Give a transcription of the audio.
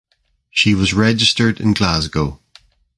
She was registered in Glasgow.